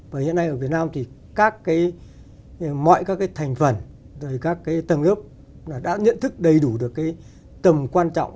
và hiện nay ở việt nam thì các cái mọi các cái thành phần các cái tầng lớp đã nhận thức đầy đủ được cái tầm quan trọng